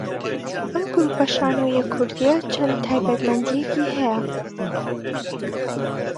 ئەم گروپە شانۆیییە کوردییە چەند تایبەتمەندییەکی هەیە